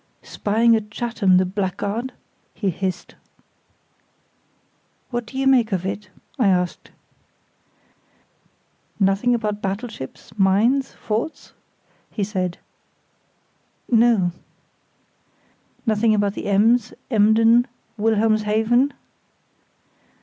"Spying at Chatham, the blackguard?" he hissed. "What do you make of it?" I asked. "Nothing about battleships, mines, forts?" he said. "No." "Nothing about the Ems, Emden, Wilhelmshaven?"